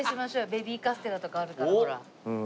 ベビーカステラとかあるからほら。